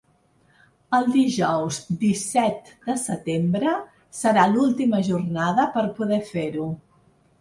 El dijous disset de setembre serà l’última jornada per poder fer-ho.